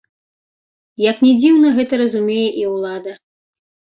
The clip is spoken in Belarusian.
Як ні дзіўна, гэта разумее і ўлада.